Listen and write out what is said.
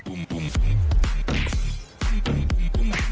อื้อ